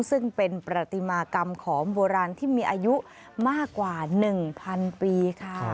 ซึ่งเป็นประติมากรรมของโบราณที่มีอายุมากกว่า๑๐๐๐ปีค่ะ